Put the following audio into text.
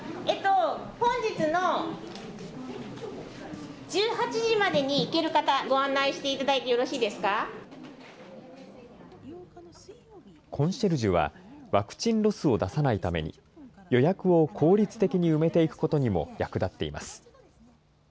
本日の１８時までに行ける方、ご案内していただいてよろしいですコンシェルジュは、ワクチンロスを出さないために、予約を効率的に埋めていくことにも役立っています。